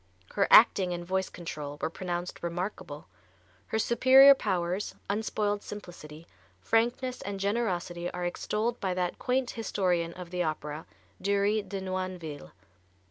Her acting and voice control were pronounced remarkable. Her superior powers, unspoiled simplicity, frankness and generosity are extolled by that quaint historian of the opera, Dury de Noinville.